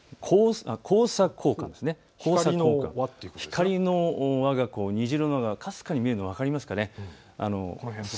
光の輪、虹色のものがかすかに見えるの分かりますかね。